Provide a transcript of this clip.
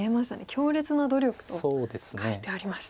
「強烈な努力」と書いてありました。